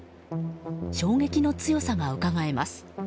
衝撃の強さがうかがえます。